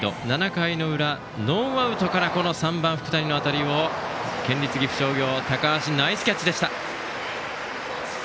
７回の裏は、ノーアウトから３番、福谷の当たりを県立岐阜商業の高橋がナイスキャッチでした。